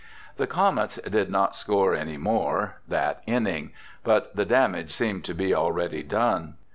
The Comets did not score anymore that inning, but the damage seemed to be already done.